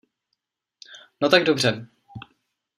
No tak dobře...